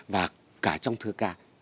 và cả trong thơ ca